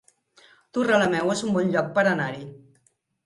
Torrelameu es un bon lloc per anar-hi